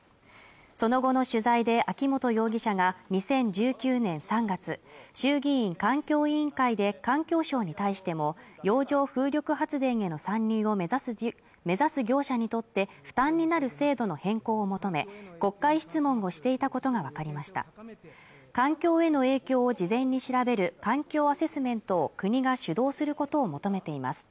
その後の取材で秋本容疑者が２０１９年３月衆議院環境委員会で環境省に対しても洋上風力発電への参入を目指す業者にとって負担になる制度の変更を求め国会質問をしていたことが分かりました環境への影響を事前に調べる環境アセスメントを国が主導することを求めています